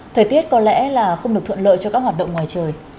thời tiết có lẽ là không được thuận lợi cho các hoạt động ngoài trời